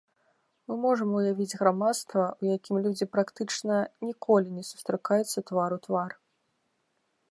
Мы можам уявіць грамадства, у якім людзі практычна ніколі не сустракаюцца твар у твар.